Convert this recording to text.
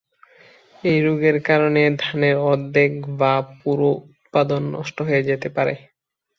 এই রোগের কারণে ধানের অর্ধেক বা পুরো উৎপাদন নষ্ট হয়ে যেতে পারে।